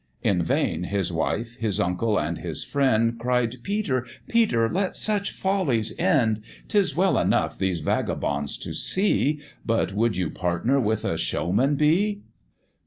In vain his wife, his uncle, and his friend, Cried "Peter! Peter! let such follies end; 'Tis well enough these vagabonds to see, But would you partner with a showman be?"